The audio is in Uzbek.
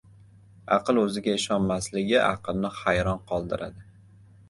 Aql o‘ziga ishonmasligi aqlni hayron qoldiradi.